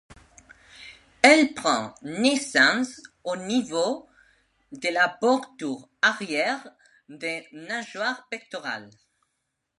Elle prend naissance au niveau de la bordure arrière des nageoires pectorales.